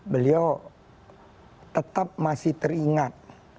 beliau tetap masih teringat